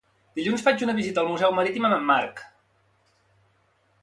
Dilluns faig una visita al Museu Marítim amb en Marc.